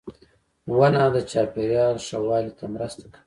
• ونه د چاپېریال ښه والي ته مرسته کوي.